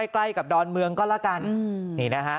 ใกล้กับดอนเมืองก็ละกัน